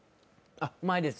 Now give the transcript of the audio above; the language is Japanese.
あ、うまいです。